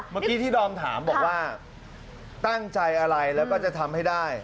เมื่อกี้ที่ดอมถามบอกว่าตั้งใจอะไรแล้วก็จะทำให้ได้